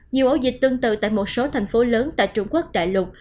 nhiều ổ dịch tương tự tại một số thành phố lớn tại trung quốc đại lục